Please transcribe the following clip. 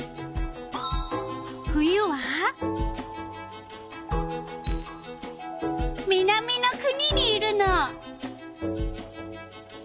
冬は南の国にいるの。